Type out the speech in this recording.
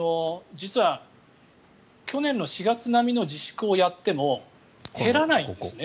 実は去年の４月並みの自粛をやっても減らないんですね。